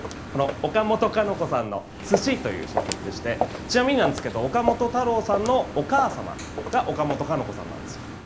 岡本かの子さんの「鮨」という小説でしてちなみに岡本太郎さんのお母様が岡本かの子さんなんですよ。